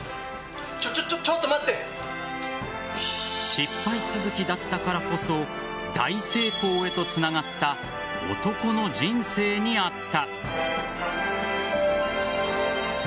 失敗続きだったからこそ大成功へとつながった男の人生にあった。